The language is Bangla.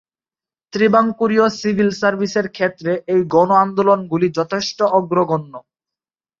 ত্রিবাঙ্কুরীয় সিভিল সার্ভিসের ক্ষেত্রে এই গণ আন্দোলন গুলি যথেষ্ট অগ্রগণ্য।